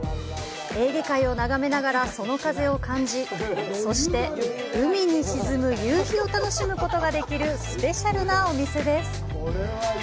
エーゲ海を眺めながらその風を感じ、そして海に沈む夕日を楽しむことができるスペシャルなお店です。